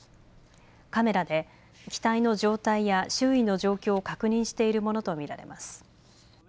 カメラで機体の状態や周囲の状況を確認しているものと見られます。